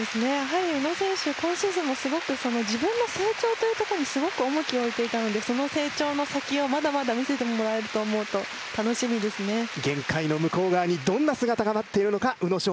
宇野選手、今シーズンもすごく自分の成長というところにすごく重きを置いていたので、その成長の先をまだまだ見せてもらえると思うと楽しみですね。